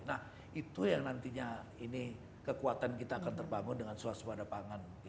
nah itu yang nantinya ini kekuatan kita akan terbangun dengan suasana pangan